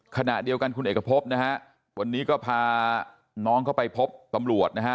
ขณะเดียวกันคุณเอกพบนะฮะวันนี้ก็พาน้องเข้าไปพบตำรวจนะฮะ